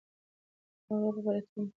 هغوی به راتلونکی کال فارغ سي.